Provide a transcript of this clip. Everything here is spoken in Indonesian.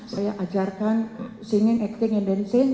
saya ajarkan singing acting dan dancing